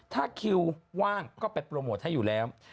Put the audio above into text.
ถ้าคิวว่างก็ไปโปรโมทให้อยู่แล้ว